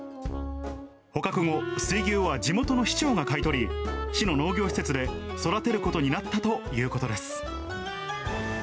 捕獲後、水牛は地元の市長が買い取り、市の農業施設で育てることになったということです。